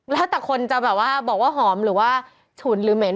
แล้วแต่คนจะแบบว่าบอกว่าหอมหรือว่าฉุนหรือเหม็น